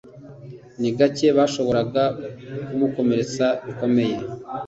ni gake bashoboraga kumukomeretsa bikomeye